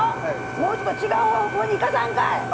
もうちょっと違う方向に生かさんかい！